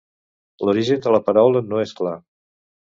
L'origen de la paraula no és clar.